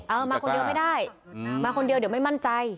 มาคนเดียวไม่ได้มาคนเดียวเดี๋ยวไม่มั่นใจ